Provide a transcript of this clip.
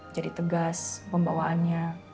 jadi tegas membawa